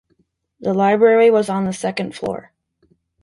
The library was on the second floor.